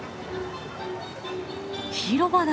広場だ！